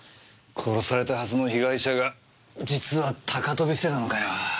殺されたはずの被害者が実は高飛びしてたのかよ。